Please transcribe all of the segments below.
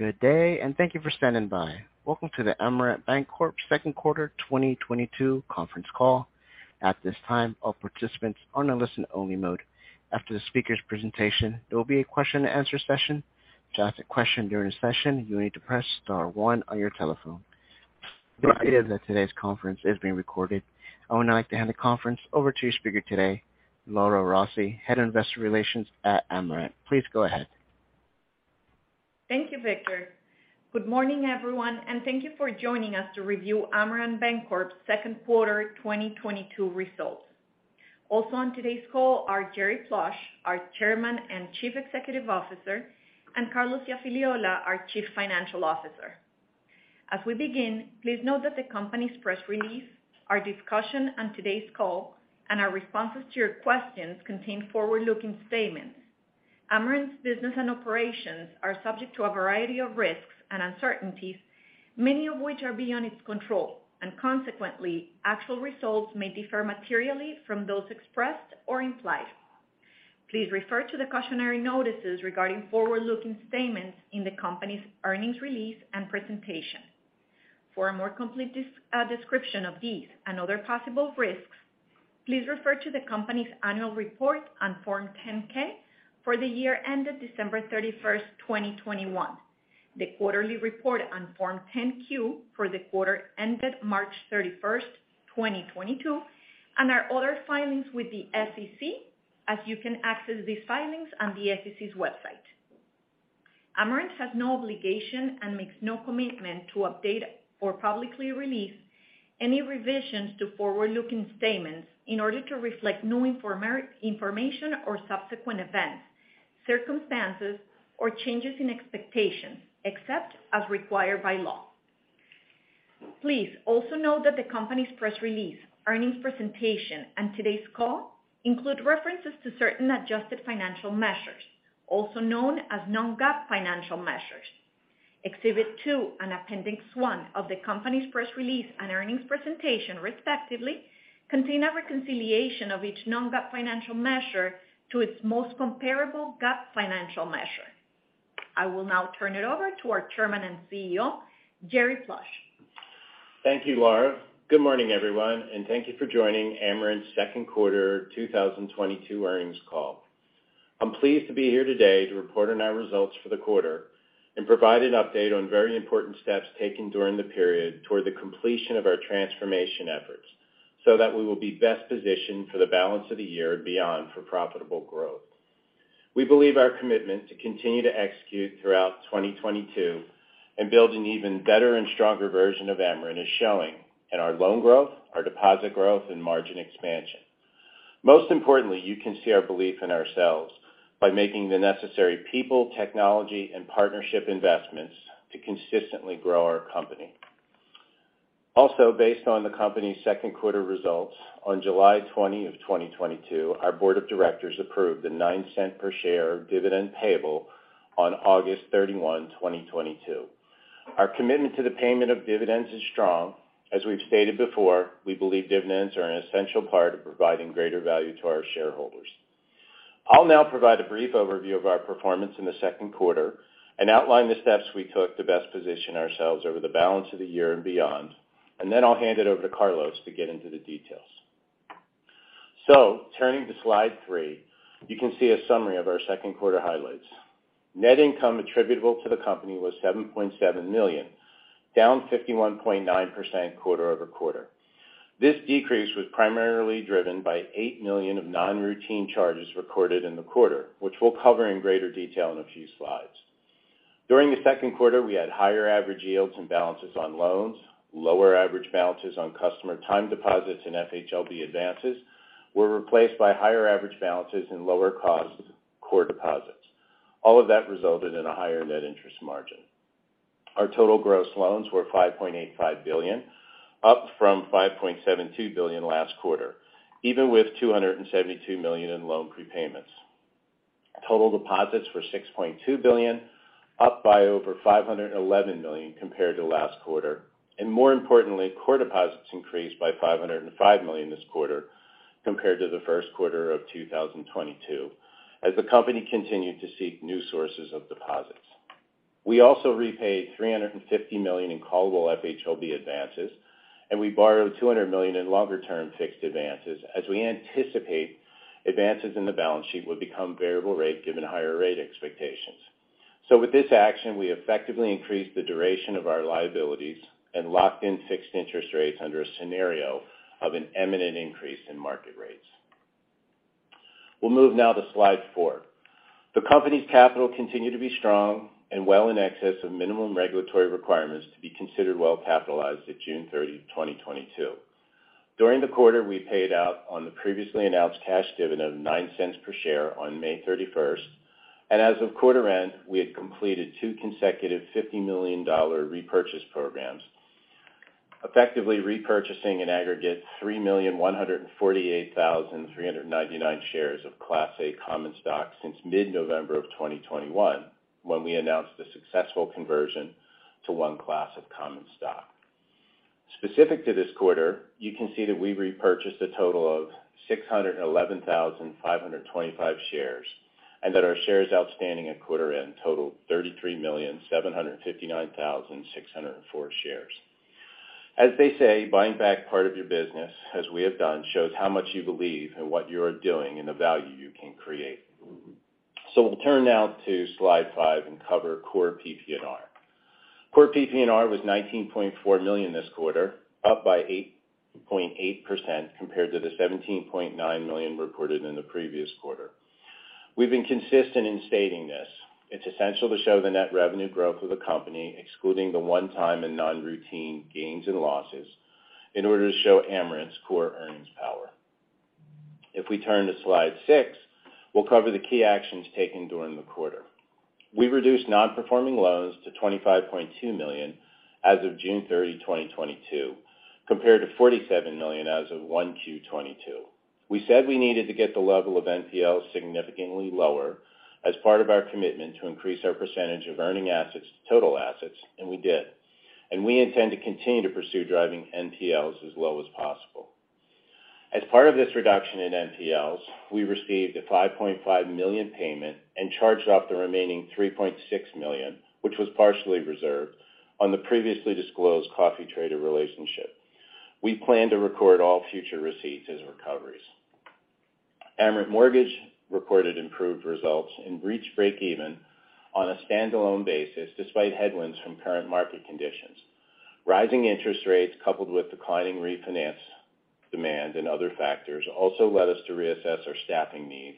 Good day, and thank you for standing by. Welcome to the Amerant Bancorp second quarter 2022 conference call. At this time, all participants are in a listen-only mode. After the speaker's presentation, there will be a question and answer session. To ask a question during the session, you need to press star one on your telephone. Please be advised that today's conference is being recorded. I would now like to hand the conference over to your speaker today, Laura Rossi, Head of Investor Relations at Amerant Bancorp. Please go ahead. Thank you, Victor. Good morning, everyone, and thank you for joining us to review Amerant Bancorp's second quarter 2022 results. Also on today's call are Jerry Plush, our Chairman and Chief Executive Officer, and Carlos Iafigliola, our Chief Financial Officer. As we begin, please note that the company's press release, our discussion on today's call, and our responses to your questions contain forward-looking statements. Amerant's business and operations are subject to a variety of risks and uncertainties, many of which are beyond its control, and consequently, actual results may differ materially from those expressed or implied. Please refer to the cautionary notices regarding forward-looking statements in the company's earnings release and presentation. For a more complete description of these and other possible risks, please refer to the company's annual report on Form 10-K for the year ended December 31st, 2021. The quarterly report on Form 10-Q for the quarter ended March 31st, 2022, and our other filings with the SEC, as you can access these filings on the SEC's website. Amerant has no obligation and makes no commitment to update or publicly release any revisions to forward-looking statements in order to reflect new information or subsequent events, circumstances, or changes in expectations, except as required by law. Please also know that the company's press release, earnings presentation, and today's call include references to certain adjusted financial measures, also known as non-GAAP financial measures. Exhibit two and appendix one of the company's press release and earnings presentation, respectively, contain a reconciliation of each non-GAAP financial measure to its most comparable GAAP financial measure. I will now turn it over to our Chairman and CEO, Jerry Plush. Thank you, Laura. Good morning, everyone, and thank you for joining Amerant's second quarter 2022 earnings call. I'm pleased to be here today to report on our results for the quarter and provide an update on very important steps taken during the period toward the completion of our transformation efforts so that we will be best positioned for the balance of the year and beyond for profitable growth. We believe our commitment to continue to execute throughout 2022 and build an even better and stronger version of Amerant is showing in our loan growth, our deposit growth, and margin expansion. Most importantly, you can see our belief in ourselves by making the necessary people, technology, and partnership investments to consistently grow our company. Also, based on the company's second quarter results, on July 20, 2022, our board of directors approved the $0.09 per share dividend payable on August 31, 2022. Our commitment to the payment of dividends is strong. As we've stated before, we believe dividends are an essential part of providing greater value to our shareholders. I'll now provide a brief overview of our performance in the second quarter and outline the steps we took to best position ourselves over the balance of the year and beyond, and then I'll hand it over to Carlos to get into the details. Turning to slide three, you can see a summary of our second quarter highlights. Net income attributable to the company was $7.7 million, down 51.9% quarter-over-quarter. This decrease was primarily driven by $8 million of non-routine charges recorded in the quarter, which we'll cover in greater detail in a few slides. During the second quarter, we had higher average yields and balances on loans. Lower average balances on customer time deposits and FHLB advances were replaced by higher average balances and lower cost core deposits. All of that resulted in a higher net interest margin. Our total gross loans were $5.85 billion, up from $5.72 billion last quarter, even with $272 million in loan prepayments. Total deposits were $6.2 billion, up by over $511 million compared to last quarter. More importantly, core deposits increased by $505 million this quarter compared to the first quarter of 2022, as the company continued to seek new sources of deposits. We also repaid $350 million in callable FHLB advances, and we borrowed $200 million in longer-term fixed advances as we anticipate advances in the balance sheet would become variable rate given higher rate expectations. With this action, we effectively increased the duration of our liabilities and locked in fixed interest rates under a scenario of an imminent increase in market rates. We'll move now to slide four. The company's capital continued to be strong and well in excess of minimum regulatory requirements to be considered well-capitalized at June 30, 2022. During the quarter, we paid out on the previously announced cash dividend of $0.09 per share on May 31st. As of quarter end, we had completed two consecutive $50 million repurchase programs, effectively repurchasing in aggregate 3,148,399 shares of Class A common stock since mid-November of 2021 when we announced the successful conversion to one class of common stock. Specific to this quarter, you can see that we repurchased a total of 611,525 shares, and that our shares outstanding at quarter end totaled 33,759,604 shares. As they say, buying back part of your business, as we have done, shows how much you believe in what you are doing and the value you can create. We'll turn now to slide five and cover core PPNR. Core PPNR was $19.4 million this quarter, up by 8.8% compared to the $17.9 million recorded in the previous quarter. We've been consistent in stating this. It's essential to show the net revenue growth of the company, excluding the one-time and non-routine gains and losses, in order to show Amerant's core earnings power. If we turn to slide six, we'll cover the key actions taken during the quarter. We reduced non-performing loans to $25.2 million as of June 30, 2022, compared to $47 million as of 1Q 2022. We said we needed to get the level of NPLs significantly lower as part of our commitment to increase our percentage of earning assets to total assets, and we did. We intend to continue to pursue driving NPLs as low as possible. As part of this reduction in NPLs, we received a $5.5 million payment and charged off the remaining $3.6 million, which was partially reserved on the previously disclosed coffee trader relationship. We plan to record all future receipts as recoveries. Amerant Mortgage reported improved results and reached breakeven on a standalone basis despite headwinds from current market conditions. Rising interest rates coupled with declining refinance demand and other factors, also led us to reassess our staffing needs,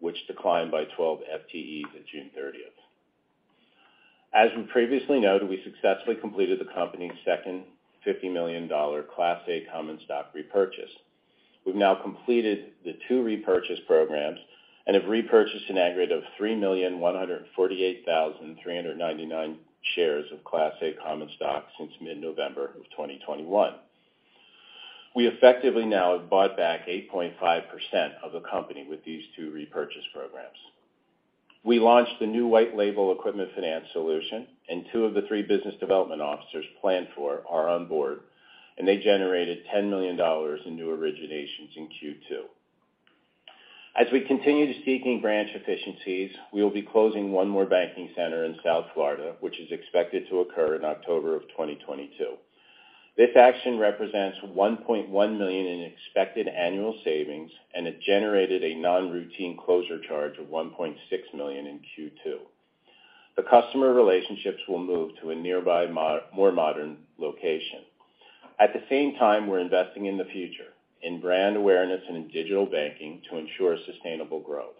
which declined by 12 FTEs at June 30th. As we previously noted, we successfully completed the company's second $50 million Class A common stock repurchase. We've now completed the two repurchase programs and have repurchased an aggregate of 3,148,399 shares of Class A common stock since mid-November 2021. We effectively now have bought back 8.5% of the company with these two repurchase programs. We launched the new white label equipment finance solution, and two of the three business development officers planned for are on board, and they generated $10 million in new originations in Q2. As we continue to seeking branch efficiencies, we will be closing one more banking center in South Florida, which is expected to occur in October of 2022. This action represents $1.1 million in expected annual savings, and it generated a non-routine closure charge of $1.6 million in Q2. The customer relationships will move to a nearby more modern location. At the same time, we're investing in the future, in brand awareness and in digital banking to ensure sustainable growth.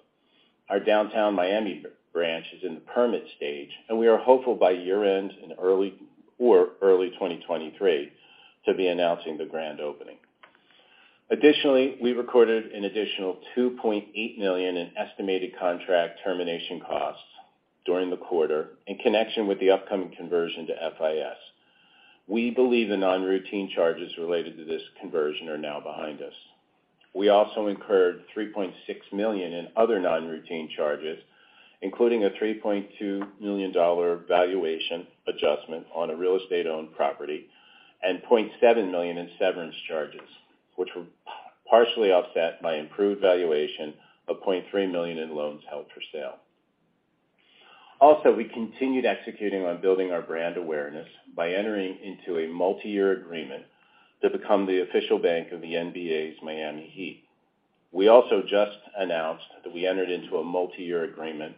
Our downtown Miami branch is in the permit stage, and we are hopeful by year-end and early 2023 to be announcing the grand opening. Additionally, we recorded an additional $2.8 million in estimated contract termination costs during the quarter in connection with the upcoming conversion to FIS. We believe the non-routine charges related to this conversion are now behind us. We also incurred $3.6 million in other non-routine charges, including a $3.2 million valuation adjustment on a real estate-owned property and $700,000 in severance charges, which were partially offset by improved valuation of $300,000 in loans held for sale. Also, we continued executing on building our brand awareness by entering into a multiyear agreement to become the official bank of the NBA's Miami Heat. We also just announced that we entered into a multiyear agreement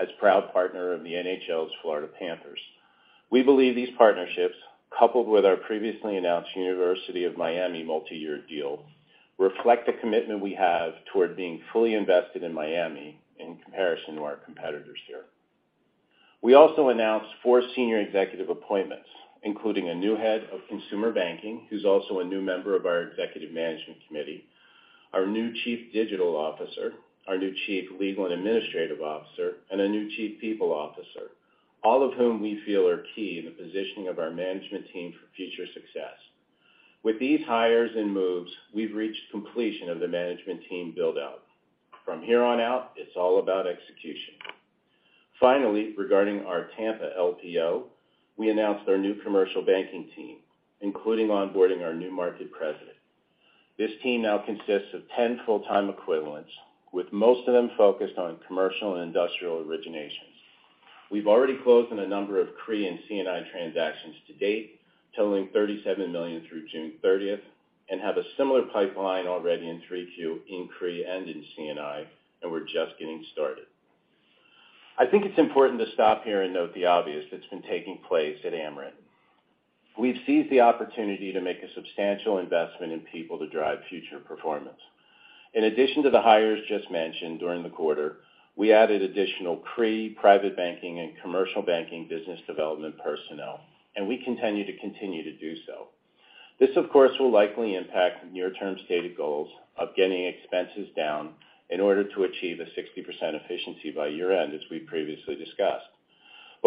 as proud partner of the NHL's Florida Panthers. We believe these partnerships, coupled with our previously announced University of Miami multiyear deal, reflect the commitment we have toward being fully invested in Miami in comparison to our competitors here. We also announced four senior executive appointments, including a new head of consumer banking, who's also a new member of our executive management committee, our new chief digital officer, our new chief legal and administrative officer, and a new chief people officer, all of whom we feel are key in the positioning of our management team for future success. With these hires and moves, we've reached completion of the management team build-out. From here on out, it's all about execution. Finally, regarding our Tampa LPO, we announced our new commercial banking team, including onboarding our new market president. This team now consists of 10 full-time equivalents, with most of them focused on commercial and industrial originations. We've already closed on a number of CRE and C&I transactions to date, totaling $37 million through June 30th, and have a similar pipeline already in 3Q in CRE and in C&I, and we're just getting started. I think it's important to stop here and note the obvious that's been taking place at Amerant. We've seized the opportunity to make a substantial investment in people to drive future performance. In addition to the hires just mentioned during the quarter, we added additional CRE, private banking, and commercial banking business development personnel, and we continue to do so. This, of course, will likely impact near-term stated goals of getting expenses down in order to achieve a 60% efficiency by year-end, as we previously discussed.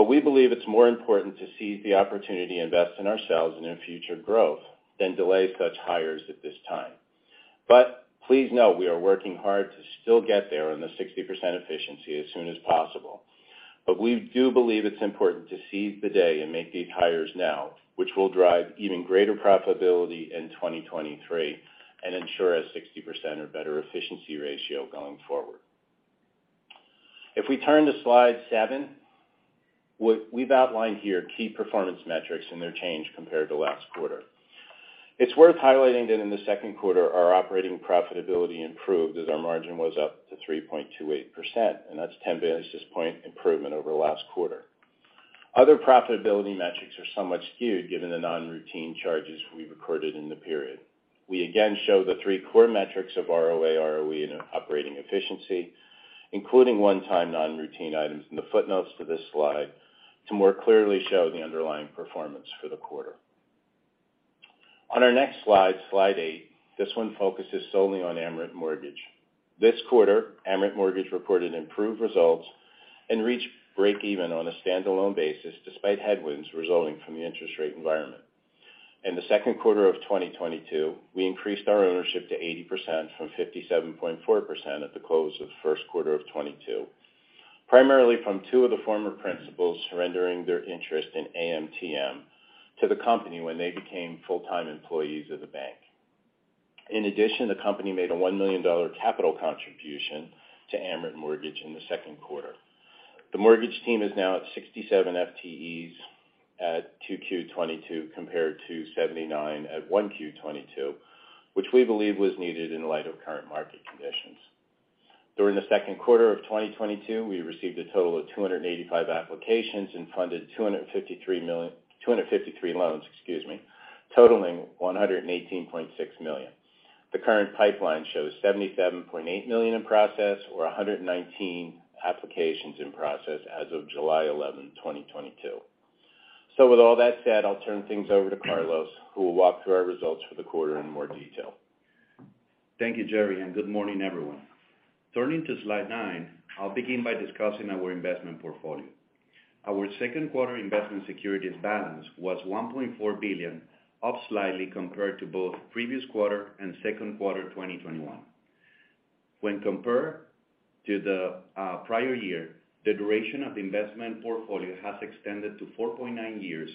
We believe it's more important to seize the opportunity to invest in ourselves and in future growth than delay such hires at this time. Please know we are working hard to still get there on the 60% efficiency as soon as possible. We do believe it's important to seize the day and make these hires now, which will drive even greater profitability in 2023, and ensure a 60% or better efficiency ratio going forward. If we turn to slide seven, we've outlined here key performance metrics and their change compared to last quarter. It's worth highlighting that in the second quarter, our operating profitability improved as our margin was up to 3.28%, and that's 10 basis point improvement over last quarter. Other profitability metrics are somewhat skewed given the non-routine charges we recorded in the period. We again show the three core metrics of ROA, ROE, and operating efficiency, including one-time non-routine items in the footnotes to this slide to more clearly show the underlying performance for the quarter. On our next slide eight, this one focuses solely on Amerant Mortgage. This quarter, Amerant Mortgage recorded improved results and reached break even on a standalone basis despite headwinds resulting from the interest rate environment. In the second quarter of 2022, we increased our ownership to 80% from 57.4% at the close of first quarter of 2022, primarily from two of the former principals surrendering their interest in AMTM to the company when they became full-time employees of the bank. In addition, the company made a $1 million capital contribution to Amerant Mortgage in the second quarter. The mortgage team is now at 67 FTEs at 2Q 2022 compared to 79 FTEs at 1Q 2022, which we believe was needed in light of current market conditions. During the second quarter of 2022, we received a total of 285 applications and funded 253 loans, excuse me, totaling $118.6 million. The current pipeline shows $77.8 million in process or 119 applications in process as of July 11th, 2022. With all that said, I'll turn things over to Carlos, who will walk through our results for the quarter in more detail. Thank you, Jerry, and good morning, everyone. Turning to slide nine, I'll begin by discussing our investment portfolio. Our second quarter investment securities balance was $1.4 billion, up slightly compared to both previous quarter and second quarter 2021. When compared to the prior year, the duration of the investment portfolio has extended to 4.9 years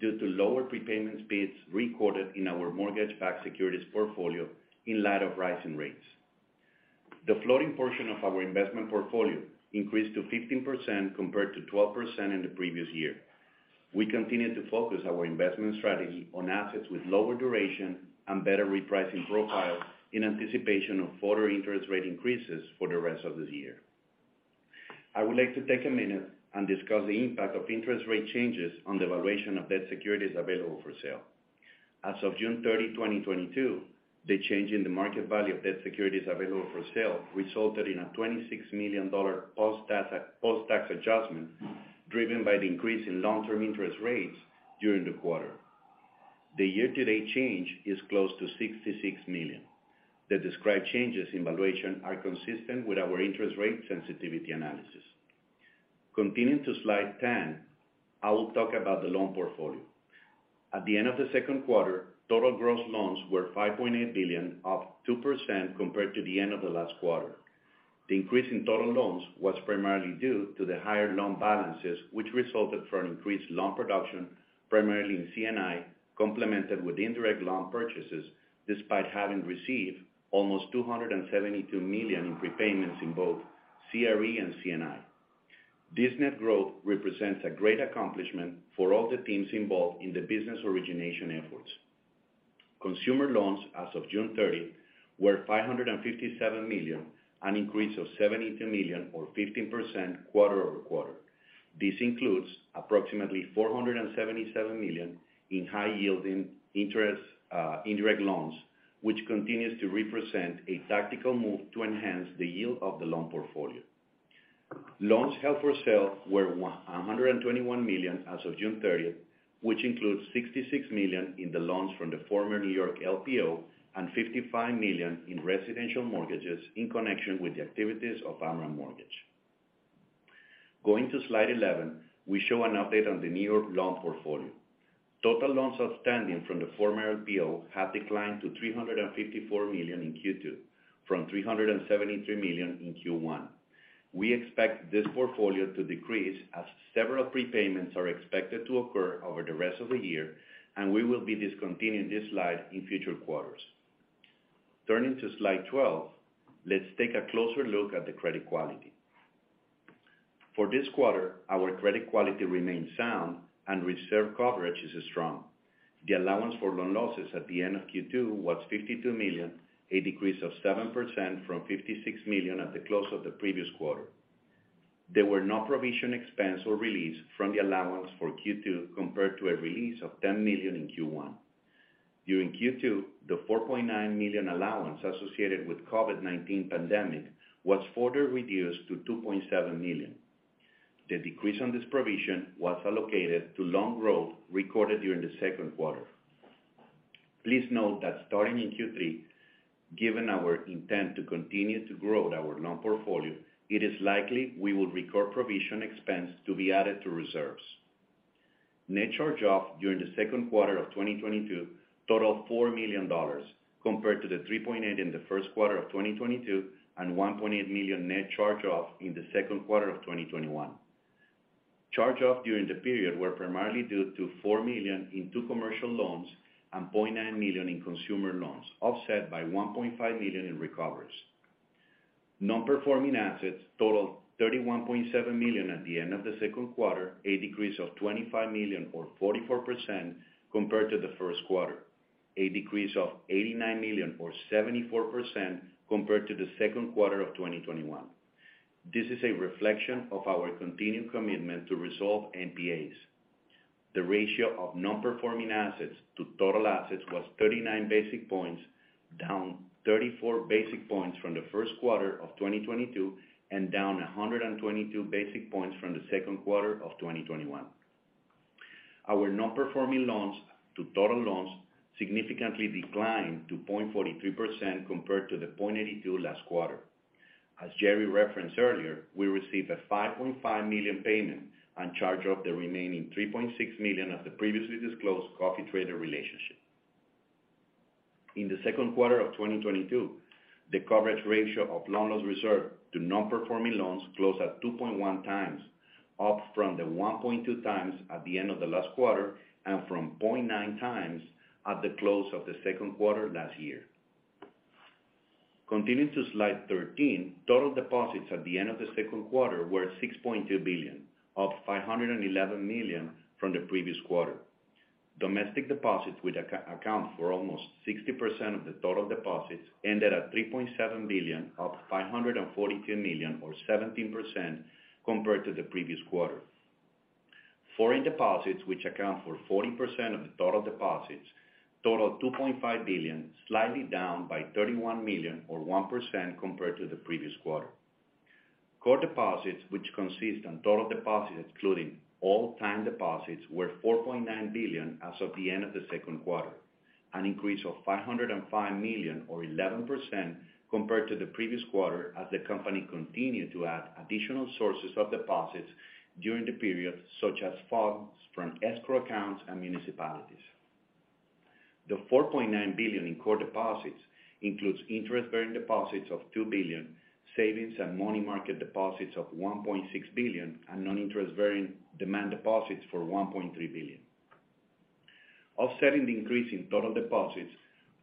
due to lower prepayment speeds recorded in our mortgage-backed securities portfolio in light of rising rates. The floating portion of our investment portfolio increased to 15% compared to 12% in the previous year. We continue to focus our investment strategy on assets with lower duration and better repricing profiles in anticipation of further interest rate increases for the rest of this year. I would like to take a minute and discuss the impact of interest rate changes on the valuation of debt securities available for sale. As of June 30, 2022, the change in the market value of debt securities available for sale resulted in a $26 million post-tax adjustment driven by the increase in long-term interest rates during the quarter. The year-to-date change is close to $66 million. The described changes in valuation are consistent with our interest rate sensitivity analysis. Continuing to Slide 10, I will talk about the loan portfolio. At the end of the second quarter, total gross loans were $5.8 billion, up 2% compared to the end of the last quarter. The increase in total loans was primarily due to the higher loan balances, which resulted from increased loan production, primarily in C&I, complemented with indirect loan purchases, despite having received almost $272 million in prepayments in both CRE and C&I. This net growth represents a great accomplishment for all the teams involved in the business origination efforts. Consumer loans as of June 30 were $557 million, an increase of $72 million or 15% quarter over quarter. This includes approximately $477 million in high-yielding interest, indirect loans, which continues to represent a tactical move to enhance the yield of the loan portfolio. Loans held for sale were one hundred and twenty-one million as of June 30th, which includes $66 million in the loans from the former New York LPO and $55 million in residential mortgages in connection with the activities of Amerant Mortgage. Going to slide 11, we show an update on the New York loan portfolio. Total loans outstanding from the former LPO have declined to $354 million in Q2 from $373 million in Q1. We expect this portfolio to decrease as several prepayments are expected to occur over the rest of the year, and we will be discontinuing this slide in future quarters. Turning to slide 12, let's take a closer look at the credit quality. For this quarter, our credit quality remains sound and reserve coverage is strong. The allowance for loan losses at the end of Q2 was $52 million, a decrease of 7% from $56 million at the close of the previous quarter. There were no provision expense or release from the allowance for Q2 compared to a release of $10 million in Q1. During Q2, the $4.9 million allowance associated with COVID-19 pandemic was further reduced to $2.7 million. The decrease on this provision was allocated to loan growth recorded during the second quarter. Please note that starting in Q3, given our intent to continue to grow our loan portfolio, it is likely we will record provision expense to be added to reserves. Net charge-off during the second quarter of 2022 totaled $4 million compared to the $3.8 million in the first quarter of 2022, and $1.8 million net charge-off in the second quarter of 2021. Charge-off during the period were primarily due to $4 million in two commercial loans and $900,000 in consumer loans, offset by $1.5 million in recoveries. Non-performing assets totaled $31.7 million at the end of the second quarter, a decrease of $25 million or 44% compared to the first quarter. A decrease of $89 million or 74% compared to the second quarter of 2021. This is a reflection of our continued commitment to resolve NPAs. The ratio of non-performing assets to total assets was 39 basis points, down 34 basis points from the first quarter of 2022, and down 122 basis points from the second quarter of 2021. Our non-performing loans to total loans significantly declined to 0.43% compared to the 0.82% last quarter. As Jerry referenced earlier, we received a $5.5 million payment on charge-off, the remaining $3.6 million of the previously disclosed coffee trader relationship. In the second quarter of 2022, the coverage ratio of loan loss reserve to non-performing loans closed at 2.1 times, up from the 1.2 times at the end of the last quarter and from 0.9 times at the close of the second quarter last year. Continuing to slide 13, total deposits at the end of the second quarter were $6.2 billion, up $511 million from the previous quarter. Domestic deposits, which account for almost 60% of the total deposits, ended at $3.7 billion, up $542 million or 17% compared to the previous quarter. Foreign deposits, which account for 40% of the total deposits, total $2.5 billion, slightly down by $31 million or 1% compared to the previous quarter. Core deposits, which consist of total deposits excluding all time deposits, were $4.9 billion as of the end of the second quarter. An increase of $505 million or 11% compared to the previous quarter as the company continued to add additional sources of deposits during the period, such as funds from escrow accounts and municipalities. The $4.9 billion in core deposits includes interest-bearing deposits of $2 billion, savings and money market deposits of $1.6 billion, and non-interest-bearing demand deposits for $1.3 billion. Offsetting the increase in total deposits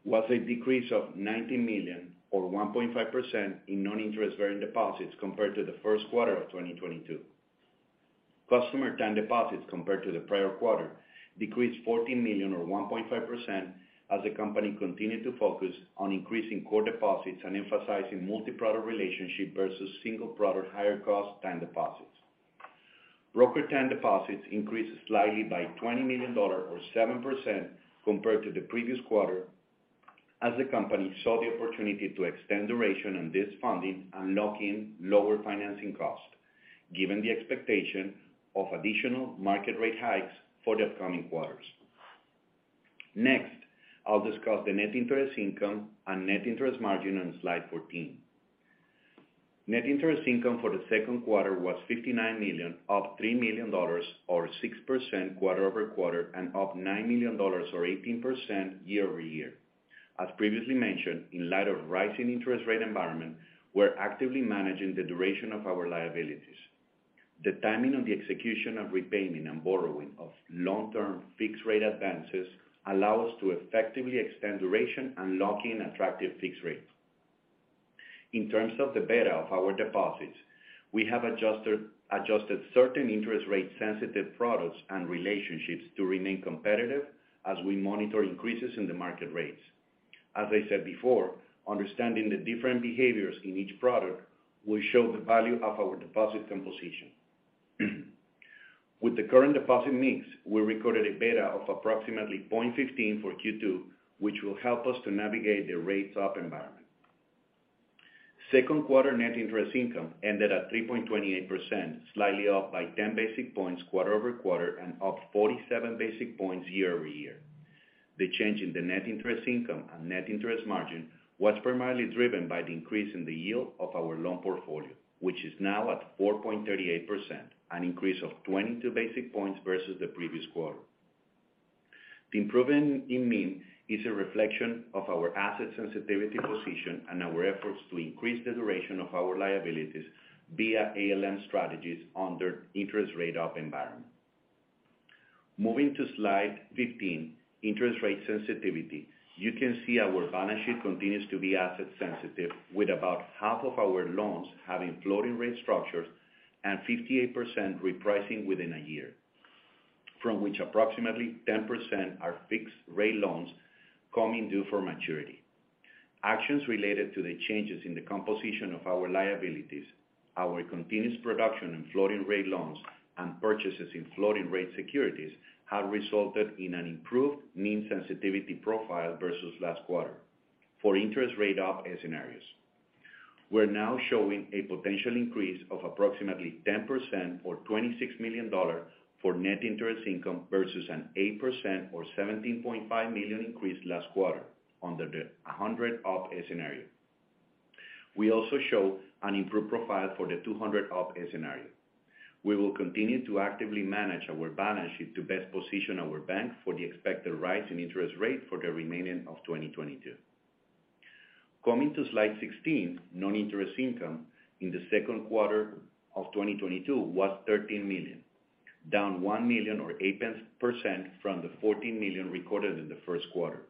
was a decrease of $19 million or 1.5% in non-interest-bearing deposits compared to the first quarter of 2022. Customer time deposits compared to the prior quarter decreased $14 million or 1.5% as the company continued to focus on increasing core deposits and emphasizing multi-product relationship versus single product higher cost time deposits. Broker time deposits increased slightly by $20 million or 7% compared to the previous quarter as the company saw the opportunity to extend duration on this funding and lock in lower financing cost, given the expectation of additional market rate hikes for the upcoming quarters. Next, I'll discuss the net interest income and net interest margin on slide 14. Net interest income for the second quarter was $59 million, up $3 million or 6% quarter-over-quarter, and up $9 million or 18% year-over-year. As previously mentioned, in light of rising interest rate environment, we're actively managing the duration of our liabilities. The timing of the execution of repayment and borrowing of long-term fixed rate advances allow us to effectively extend duration and lock in attractive fixed rates. In terms of the beta of our deposits, we have adjusted certain interest rate sensitive products and relationships to remain competitive as we monitor increases in the market rates. As I said before, understanding the different behaviors in each product will show the value of our deposit composition. With the current deposit mix, we recorded a beta of approximately 0.15 for Q2, which will help us to navigate the rates up environment. Second quarter net interest income ended at 3.28%, slightly up by 10 basis points quarter-over-quarter, and up 47 basis points year-over-year. The change in the net interest income and net interest margin was primarily driven by the increase in the yield of our loan portfolio, which is now at 4.38%, an increase of 22 basis points versus the previous quarter. The improvement in NIM is a reflection of our asset sensitivity position and our efforts to increase the duration of our liabilities via ALM strategies under interest rate up environment. Moving to slide 15, interest rate sensitivity. You can see our balance sheet continues to be asset sensitive with about half of our loans having floating rate structures and 58% repricing within a year, from which approximately 10% are fixed rate loans coming due for maturity. Actions related to the changes in the composition of our liabilities, our continuous production in floating rate loans, and purchases in floating rate securities have resulted in an improved mean sensitivity profile versus last quarter for interest rate up scenarios. We're now showing a potential increase of approximately 10% or $26 million for net interest income, versus an 8% or $17.5 million increase last quarter under the 100 up scenario. We also show an improved profile for the 200 up scenario. We will continue to actively manage our balance sheet to best position our bank for the expected rise in interest rate for the remainder of 2022. Coming to slide 16, non-interest income in the second quarter of 2022 was $13 million, down $1 million or 8% from the $14 million recorded in the first quarter.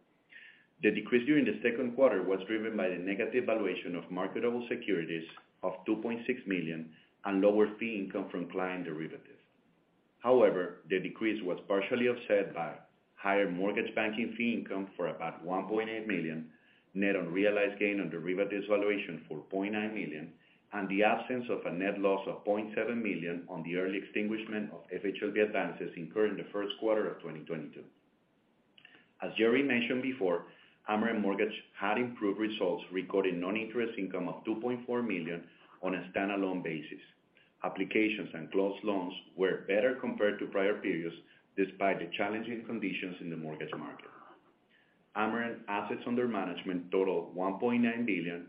The decrease during the second quarter was driven by the negative valuation of marketable securities of $2.6 million and lower fee income from client derivatives. However, the decrease was partially offset by higher mortgage banking fee income for about $1.8 million, net unrealized gain on derivatives valuation for $900,000, and the absence of a net loss of $700,000 on the early extinguishment of FHLB advances incurred in the first quarter of 2022. As Jerry mentioned before, Amerant Mortgage had improved results, recording non-interest income of $2.4 million on a standalone basis. Applications and closed loans were better compared to prior periods, despite the challenging conditions in the mortgage market. Amerant assets under management totaled $1.9 billion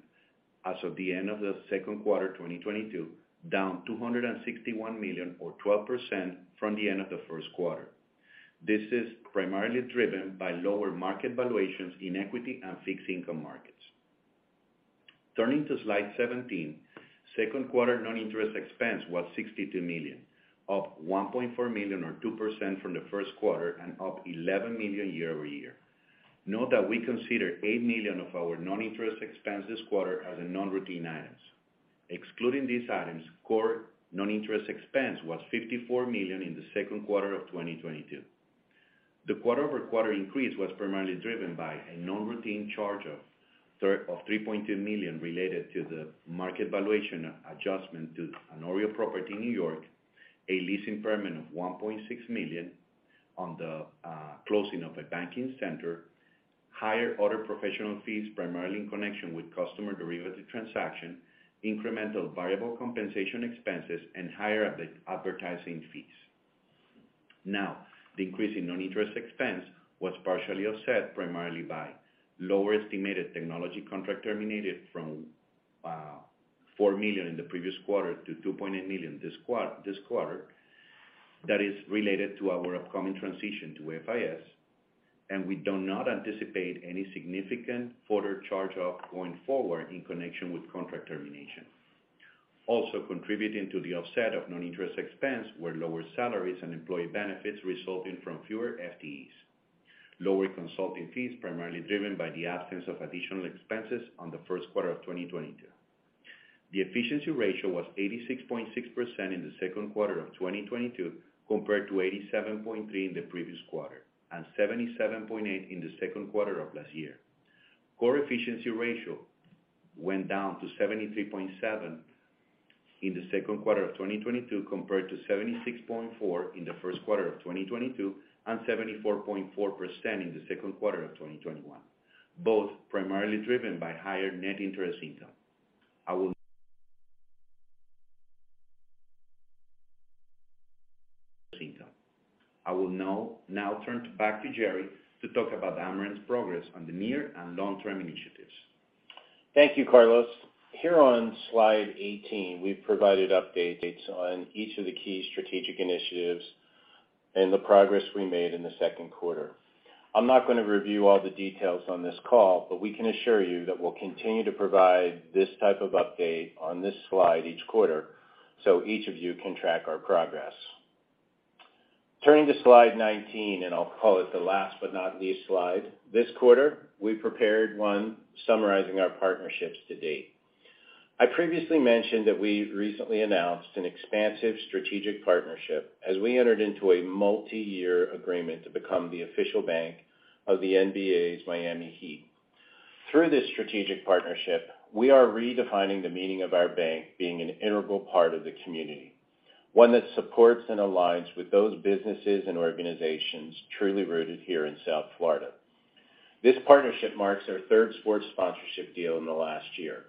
as of the end of the second quarter 2022, down $261 million or 12% from the end of the first quarter. This is primarily driven by lower market valuations in equity and fixed income markets. Turning to slide 17, second quarter non-interest expense was $62 million, up $1.4 million or 2% from the first quarter and up $11 million year-over-year. Note that we consider $8 million of our non-interest expense this quarter as non-routine items. Excluding these items, core non-interest expense was $54 million in the second quarter of 2022. The quarter-over-quarter increase was primarily driven by a non-routine charge of $3.2 million related to the market valuation adjustment to an OREO property in New York, a lease impairment of $1.6 million on the closing of a banking center, higher other professional fees primarily in connection with customer derivative transaction, incremental variable compensation expenses, and higher advertising fees. Now, the increase in non-interest expense was partially offset primarily by lower estimated technology contract terminated from $4 million in the previous quarter to $2.8 million this quarter that is related to our upcoming transition to FIS, and we do not anticipate any significant further charge off going forward in connection with contract termination. Also, contributing to the offset of non-interest expense were lower salaries and employee benefits resulting from fewer FTEs. Lower consulting fees, primarily driven by the absence of additional expenses on the first quarter of 2022. The efficiency ratio was 86.6% in the second quarter of 2022 compared to 87.3% in the previous quarter, and 77.8% in the second quarter of last year. Core efficiency ratio went down to 73.7% in the second quarter of 2022 compared to 76.4% in the first quarter of 2022 and 74.4% in the second quarter of 2021. Both primarily driven by higher net interest income. I will now turn back to Jerry to talk about Amerant's progress on the near and long-term initiatives. Thank you, Carlos. Here on slide 18, we've provided updates on each of the key strategic initiatives and the progress we made in the second quarter. I'm not gonna review all the details on this call, but we can assure you that we'll continue to provide this type of update on this slide each quarter, so each of you can track our progress. Turning to slide 19, I'll call it the last but not least slide. This quarter, we prepared one summarizing our partnerships to date. I previously mentioned that we recently announced an expansive strategic partnership as we entered into a multi-year agreement to become the official bank of the NBA's Miami Heat. Through this strategic partnership, we are redefining the meaning of our bank being an integral part of the community. One that supports and aligns with those businesses and organizations truly rooted here in South Florida. This partnership marks our third sports sponsorship deal in the last year.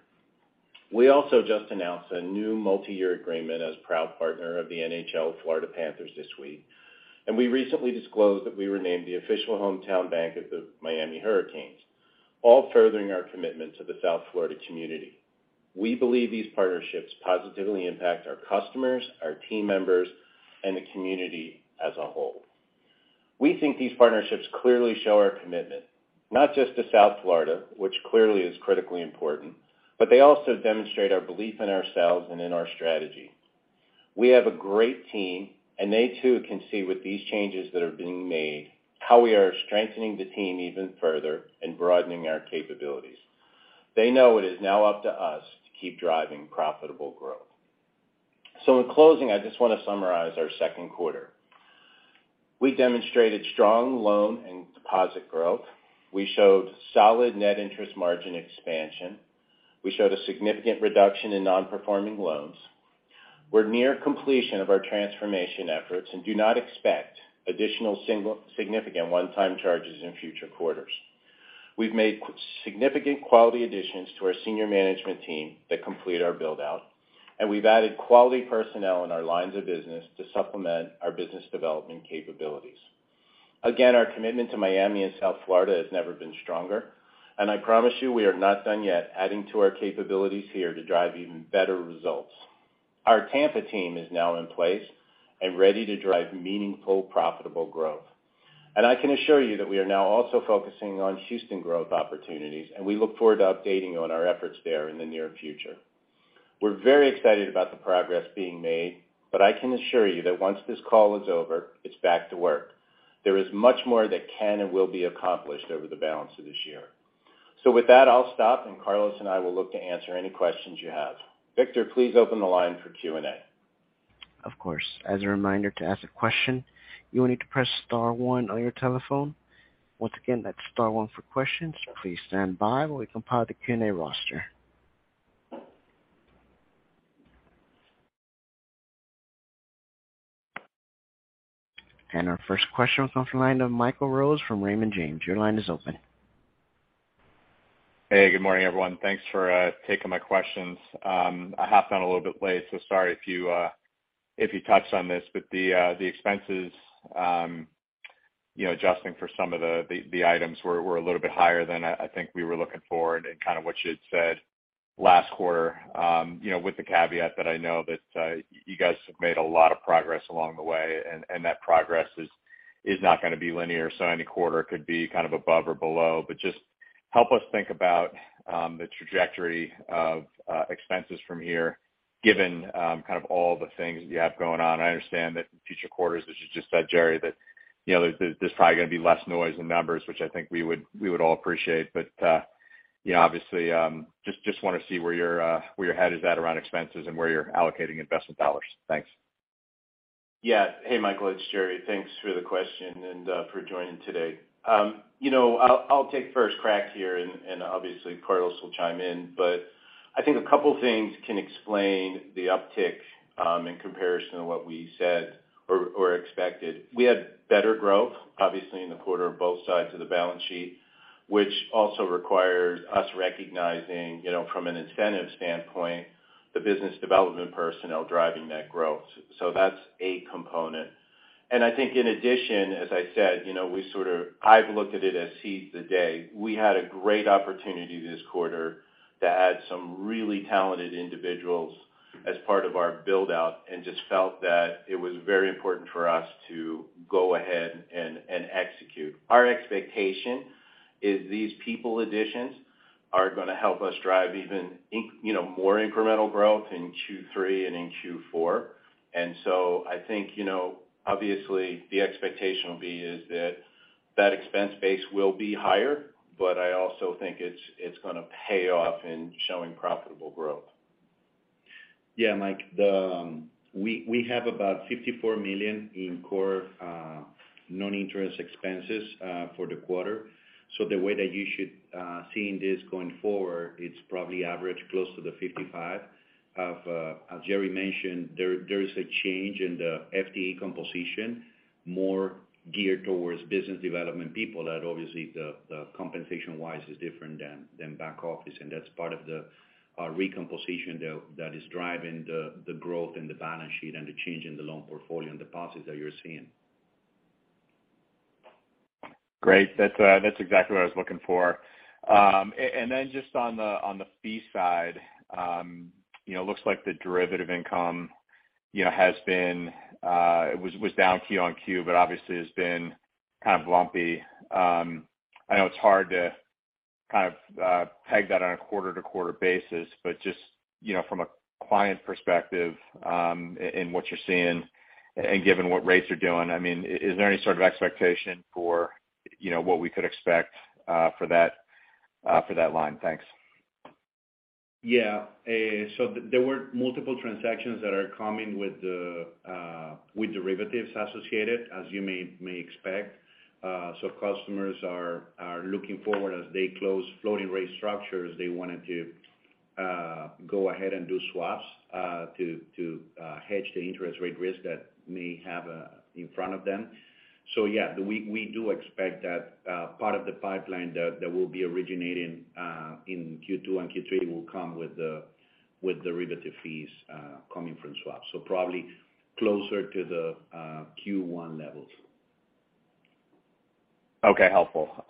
We also just announced a new multi-year agreement as proud partner of the NHL Florida Panthers this week, and we recently disclosed that we were named the official hometown bank of the Miami Hurricanes, all furthering our commitment to the South Florida community. We believe these partnerships positively impact our customers, our team members, and the community as a whole. We think these partnerships clearly show our commitment, not just to South Florida, which clearly is critically important, but they also demonstrate our belief in ourselves and in our strategy. We have a great team, and they too can see with these changes that are being made, how we are strengthening the team even further and broadening our capabilities. They know it is now up to us to keep driving profitable growth. In closing, I just wanna summarize our second quarter. We demonstrated strong loan and deposit growth. We showed solid net interest margin expansion. We showed a significant reduction in non-performing loans. We're near completion of our transformation efforts and do not expect additional significant one-time charges in future quarters. We've made significant quality additions to our senior management team that complete our build-out, and we've added quality personnel in our lines of business to supplement our business development capabilities. Again, our commitment to Miami and South Florida has never been stronger, and I promise you we are not done yet adding to our capabilities here to drive even better results. Our Tampa team is now in place and ready to drive meaningful, profitable growth. I can assure you that we are now also focusing on Houston growth opportunities, and we look forward to updating you on our efforts there in the near future. We're very excited about the progress being made, but I can assure you that once this call is over, it's back to work. There is much more that can and will be accomplished over the balance of this year. With that, I'll stop, and Carlos and I will look to answer any questions you have. Victor, please open the line for Q&A. Of course. As a reminder, to ask a question, you will need to press star one on your telephone. Once again, that's star one for questions. Please stand by while we compile the Q&A roster. Our first question comes from the line of Michael Rose from Raymond James. Your line is open. Hey, good morning, everyone. Thanks for taking my questions. I hopped on a little bit late, so sorry if you touched on this. The expenses, you know, adjusting for some of the items were a little bit higher than I think we were looking for and kind of what you had said last quarter. You know, with the caveat that I know that you guys have made a lot of progress along the way and that progress is not gonna be linear, so any quarter could be kind of above or below. Just help us think about the trajectory of expenses from here, given kind of all the things that you have going on. I understand that future quarters, as you just said, Jerry, you know, there's probably gonna be less noise in numbers, which I think we would all appreciate. You know, obviously, just wanna see where your head is at around expenses and where you're allocating investment dollars. Thanks. Yeah. Hey, Michael, it's Jerry. Thanks for the question and for joining today. You know, I'll take first crack here and obviously Carlos will chime in. I think a couple things can explain the uptick in comparison to what we said or expected. We had better growth, obviously, in the quarter on both sides of the balance sheet, which also requires us recognizing, you know, from an incentive standpoint, the business development personnel driving that growth. That's a component. I think in addition, as I said, you know, we sort of, I've looked at it as seize the day. We had a great opportunity this quarter to add some really talented individuals as part of our build-out, and just felt that it was very important for us to go ahead and execute. Our expectation is these people additions are gonna help us drive even you know, more incremental growth in Q3 and in Q4. I think, you know, obviously the expectation will be is that expense base will be higher, but I also think it's gonna pay off in showing profitable growth. Yeah, Mike, we have about $54 million in core non-interest expenses for the quarter. The way that you should be seeing this going forward, it's probably averaging close to the $55 million. As Jerry mentioned, there is a change in the FTE composition, more geared towards business development people that obviously the compensation-wise is different than back office. That's part of the recomposition that is driving the growth in the balance sheet and the change in the loan portfolio and deposits that you're seeing. Great. That's exactly what I was looking for. Just on the fee side, you know, looks like the derivative income, you know, it was down Q on Q, but obviously has been kind of lumpy. I know it's hard to kind of [take] that on a quarter-to-quarter basis, but just, you know, from a client perspective, and what you're seeing and given what rates are doing, I mean, is there any sort of expectation for, you know, what we could expect for that line? Thanks. Yeah. There were multiple transactions that are coming with derivatives associated, as you may expect. Customers are looking forward as they close floating rate structures, they wanted to go ahead and do swaps to hedge the interest rate risk that may have in front of them. Yeah, we do expect that part of the pipeline that will be originating in Q2 and Q3 will come with derivative fees coming from swaps. Probably closer to the Q1 levels. Okay. Helpful.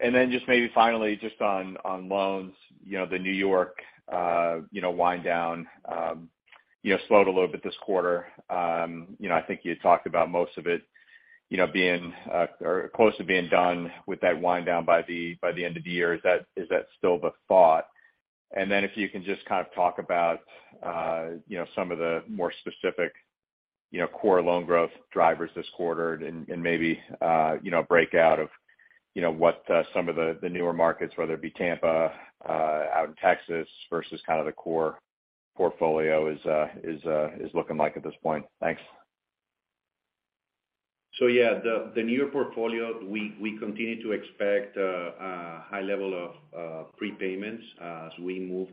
Then just maybe finally just on loans, you know, the New York wind down, you know, slowed a little bit this quarter. You know, I think you talked about most of it, you know, being or close to being done with that wind down by the end of the year. Is that still the thought? Then if you can just kind of talk about, you know, some of the more specific, you know, core loan growth drivers this quarter and maybe, you know, break out of, you know, what, some of the newer markets, whether it be Tampa, out in Texas versus kind of the core portfolio is looking like at this point. Thanks. Yeah, the New York portfolio, we continue to expect a high level of prepayments as we move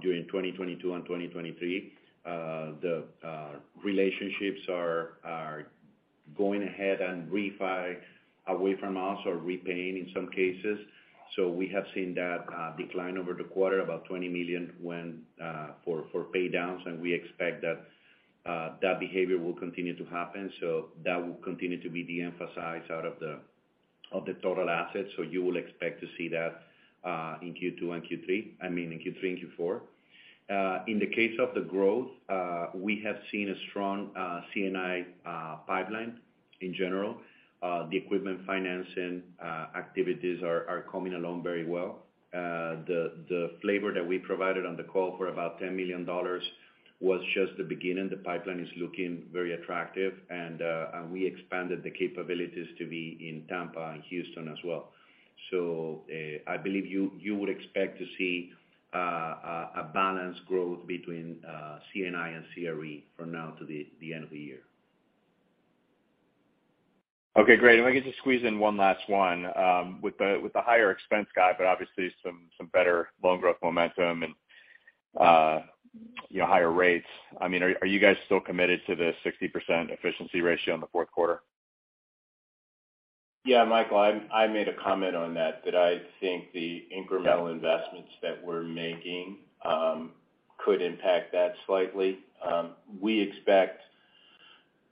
during 2022 and 2023. The relationships are going ahead and refi away from us or repaying in some cases. We have seen that decline over the quarter, about $20 million from paydowns, and we expect that behavior will continue to happen. That will continue to be de-emphasized out of the total assets. You will expect to see that in Q2 and Q3. I mean, in Q3 and Q4. In the case of the growth, we have seen a strong C&I pipeline in general. The equipment financing activities are coming along very well. The figure that we provided on the call for about $10 million was just the beginning. The pipeline is looking very attractive and we expanded the capabilities to be in Tampa and Houston as well. I believe you would expect to see a balanced growth between C&I and CRE from now to the end of the year. Okay, great. If I could just squeeze in one last one. With the higher expense guide, but obviously some better loan growth momentum and, you know, higher rates. I mean, are you guys still committed to the 60% efficiency ratio in the fourth quarter? Yeah, Michael, I made a comment on that I think the incremental investments that we're making could impact that slightly. We expect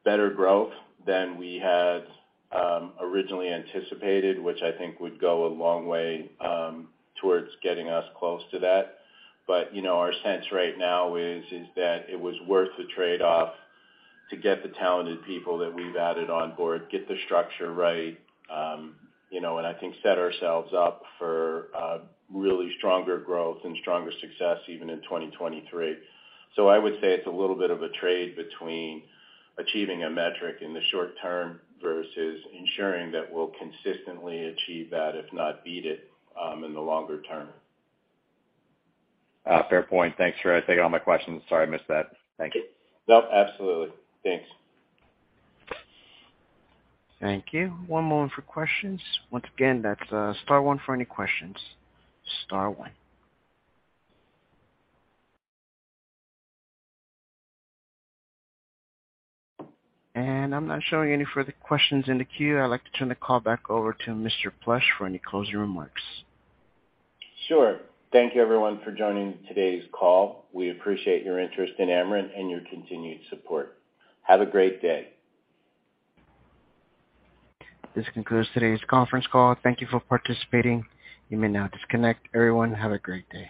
better growth than we had originally anticipated, which I think would go a long way towards getting us close to that. You know, our sense right now is that it was worth the trade-off to get the talented people that we've added on board, get the structure right, you know, and I think set ourselves up for really stronger growth and stronger success even in 2023. I would say it's a little bit of a trade between achieving a metric in the short term versus ensuring that we'll consistently achieve that, if not beat it, in the longer term. Fair point. Thanks for taking all my questions. Sorry, I missed that. Thank you. Nope, absolutely. Thanks. Thank you. One moment for questions. Once again, that's star one for any questions. Star one. I'm not showing any further questions in the queue. I'd like to turn the call back over to Mr. Plush for any closing remarks. Sure. Thank you everyone for joining today's call. We appreciate your interest in Amerant and your continued support. Have a great day. This concludes today's conference call. Thank you for participating. You may now disconnect. Everyone, have a great day.